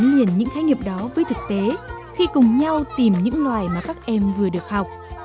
còn gắn liền những khái niệm đó với thực tế khi cùng nhau tìm những loài mà các em vừa được học